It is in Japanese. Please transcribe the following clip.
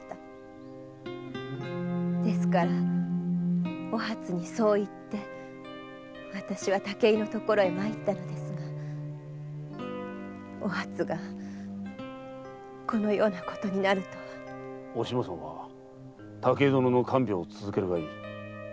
ですからおはつにそう言って武井のところに参ったのですがこんなことになるとは。おしまさんは武井殿の看病を続けるがいい。